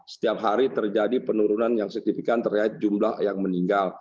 setiap hari terjadi penurunan yang signifikan terhadap jumlah yang meninggal